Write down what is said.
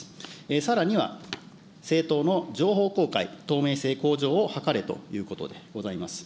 さらには政党の情報公開、透明性向上を図れということでございます。